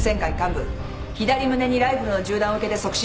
左胸にライフルの銃弾を受けて即死。